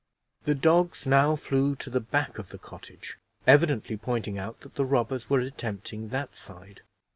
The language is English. The dogs now flew to the back of the cottage, evidently pointing out that the robbers were attempting that side.